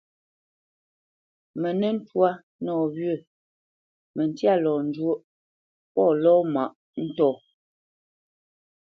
Mə nə́ ntwâ nɔwyə̂, məntya lɔ njwóʼ pô lɔ mâʼ ntɔ̂.